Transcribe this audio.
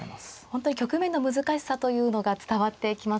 本当に局面の難しさというのが伝わってきますね。